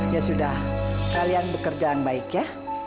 ya sudah kalian bekerja yang baik ya